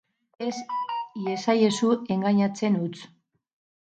Ez iezaiezu engainatzen utz!